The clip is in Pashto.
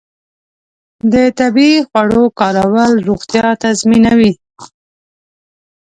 د طبیعي خوړو کارول روغتیا تضمینوي.